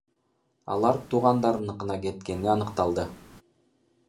Алар туугандарыныкына кеткени аныкталды.